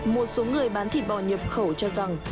một số người bán thịt bò nhập khẩu cho rằng